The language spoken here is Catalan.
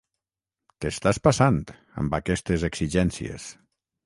T'estàs passant, amb aquestes exigències.